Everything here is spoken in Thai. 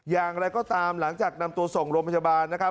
อย่างไรก็ตามหลังจากนำตัวส่งโรงพยาบาลนะครับ